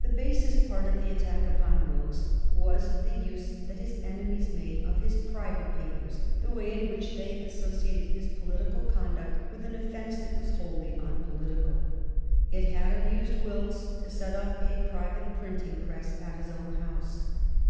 The basest part of the attack upon Wilkes was the use that his enemies made of his private papers, the way in which they associated his political conduct with an offence that was wholly unpolitical. It had amused Wilkes to set up a private printing press at his own house.